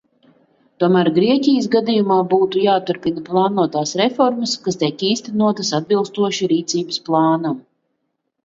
Tomēr Grieķijas gadījumā būtu jāturpina plānotās reformas, kas tiek īstenotas atbilstoši rīcības plānam.